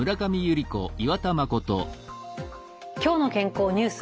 「きょうの健康ニュース」